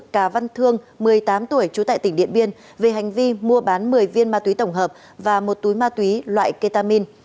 cà văn thương một mươi tám tuổi trú tại tỉnh điện biên về hành vi mua bán một mươi viên ma túy tổng hợp và một túi ma túy loại ketamin